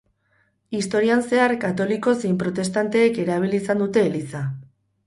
Historian zehar katoliko zein protestanteek erabili izan dute eliza.